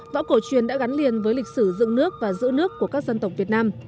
võ cổ truyền đã gắn liền với lịch sử dựng nước và giữ nước của các dân tộc việt nam